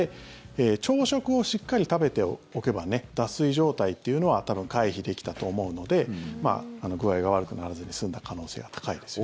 朝食をしっかり食べておけば脱水状態っていうのは多分回避できたと思うので具合が悪くならずに済んだ可能性が高いですよね。